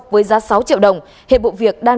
với giá sáu triệu đồng hiệp vụ việc đang